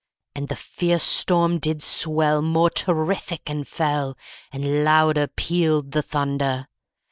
And the fierce storm did swell More terrific and fell, _80 And louder pealed the thunder.